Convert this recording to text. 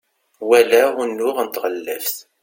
walaɣ unuɣ n tɣellaft